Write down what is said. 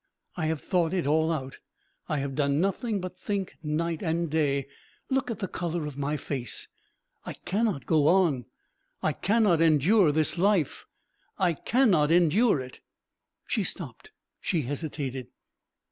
I have thought it all out, I have done nothing but think night and day. Look at the colour of my face! I cannot go on. I cannot endure this life.... I cannot endure it." She stopped. She hesitated.